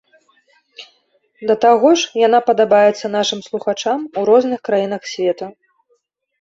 Да таго ж, яна падабаецца нашым слухачам у розных краінах свету.